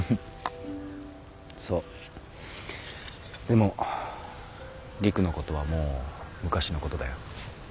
でも陸のことはもう昔のことだよ。